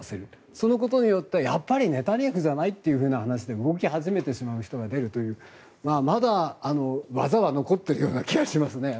そのことによってやっぱりネタニヤフじゃない？ということで動き始めてしまう人が出るというまだ技は残っているような気がしますね。